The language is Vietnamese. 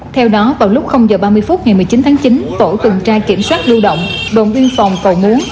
theo đó vào lúc h ba mươi phút ngày một mươi chín tháng chín tổ tuần tra kiểm soát lưu động đồn biên phòng cầu múa